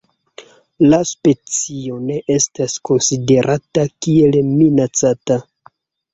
La specio ne estas konsiderata kiel minacata.